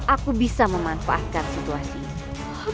aku bisa memanfaatkan situasi ini